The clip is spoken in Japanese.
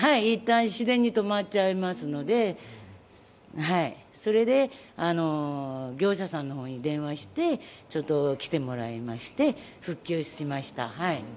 自然に止まっちゃいますのでそれで業者さんの方に電話して来てもらいまして、復旧しました。